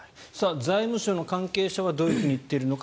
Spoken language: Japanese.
財務省の関係者はどう言っているのか。